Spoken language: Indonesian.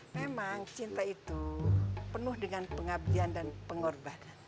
memang cinta itu penuh dengan pengabdian dan pengorbanan